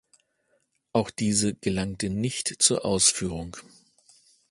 Auch diese gelangte nicht zur Ausführung.